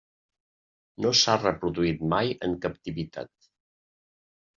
No s'ha reproduït mai en captivitat.